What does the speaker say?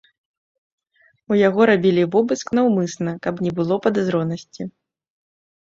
У яго рабілі вобыск наўмысна, каб не было падазронасці.